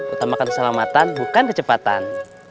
utamakan keselamatan bukan kecepatan